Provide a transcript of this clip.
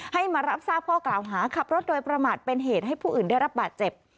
ให้มารับทราบข้อกล่าวหาขับรถโดยประมาทเป็นเหตุให้ผู้อื่นได้รับบาดเจ็บ